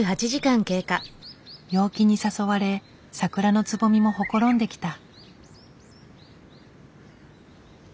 陽気に誘われ桜のつぼみもほころんできた。